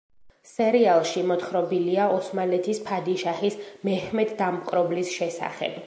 სერიალში მოთხრობილია ოსმალეთის ფადიშაჰის, მეჰმედ დამპყრობლის შესახებ.